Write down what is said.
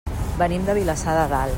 Venim de Vilassar de Dalt.